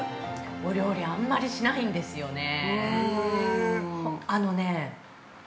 ◆お料理あんまりしないんですよね。